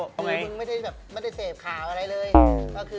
คือมึงไม่ได้แบบเสพข่าวอะไรเลย